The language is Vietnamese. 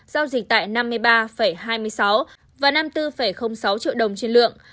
giao dịch tại năm mươi ba hai mươi sáu và năm mươi bốn sáu triệu đồng trên lượng